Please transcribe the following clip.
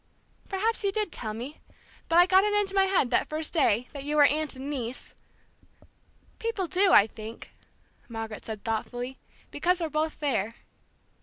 "Perhaps you did tell me. But I got it into my head, that first day, that you were aunt and niece " "People do, I think," Margaret said thoughtfully, "because we're both fair."